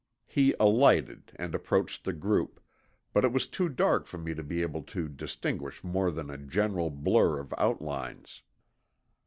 He alighted and approached the group, but it was too dark for me to be able to distinguish more than a general blur of outlines.